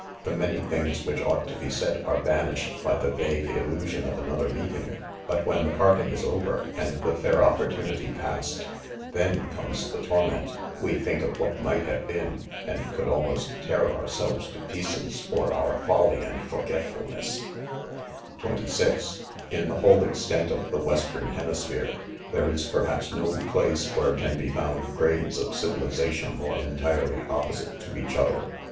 The many things which ought to be said are banished by the vague illusion of another meeting r but when the parting is over, and the fair opportunity past, then comes the torment : we think of what might have been, and could almost tear ourselves to pieces for our own folly and fbrgetfulness* (26) In the whole extent of the Western hemisphere, there is> perhaps, no place where ean be found grades of civilization more entirely opposite to each other.'